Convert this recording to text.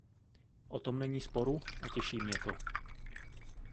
O tom není sporu a těší mě to.